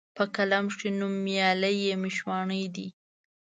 په قلم کښي نومیالي یې مشواڼي دي